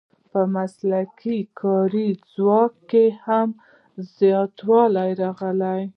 په مسلکي کاري ځواک کې هم زیاتوالی راغلی.